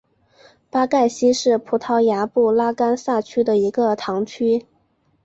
巴盖希是葡萄牙布拉干萨区的一个堂区。